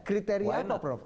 kriteria apa prof